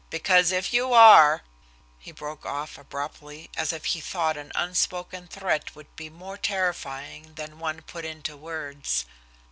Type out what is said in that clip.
Because if you are " He broke off abruptly, as if he thought an unspoken threat would be more terrifying than one put into words.